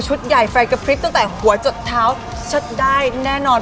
ใหญ่ไฟกระพริบตั้งแต่หัวจดเท้าเชิดได้แน่นอน